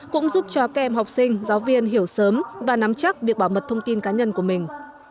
cũng giúp cho các em học sinh giáo viên hiểu sớm và nắm chắc việc bảo mật thông tin cá nhân của mình